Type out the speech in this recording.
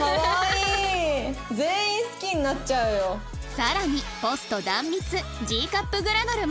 更にポスト壇蜜 Ｇ カップグラドルも